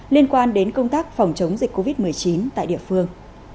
liên quan đến công tác phòng chống dịch covid một mươi chín tại địa phương